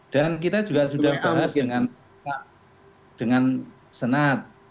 dan kita juga sudah bahas dengan senat